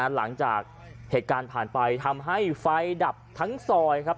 หลังจากเหตุการณ์ผ่านไปทำให้ไฟดับทั้งซอยครับ